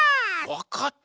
わかった！